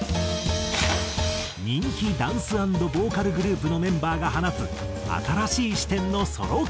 人気ダンス＆ボーカルグループのメンバーが放つ新しい視点のソロ曲。